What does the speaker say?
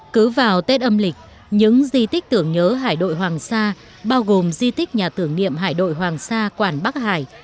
cứ vào tết âm lịch những di tích tưởng nhớ hải đội hoàng sa bao gồm di tích nhà tưởng niệm hải đội hoàng sa quản bắc hải